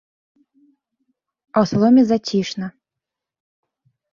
А ў саломе зацішна.